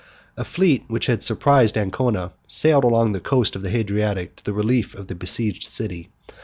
A fleet, which had surprised Ancona, sailed along the coast of the Hadriatic, to the relief of the besieged city.